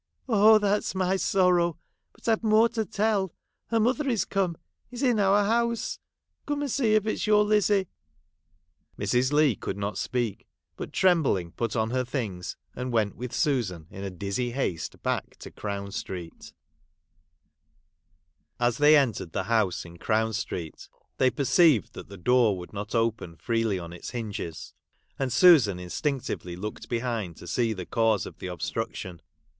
Oh, that 's my sorrow ! but I've more to tell. Her mother is come — is in our house ! Come and see if it 's your Lizzie.' Mrs. Leigh could not speak, but, trembling, put on her things, and went with Susan in dizzy haste back to Crown street. CHAPTER IV. As they entered the house in Crown street, they perceived that the door would not open freely on its hinges, and Susan instinctively looked behind to see the cause of the obstruc tion.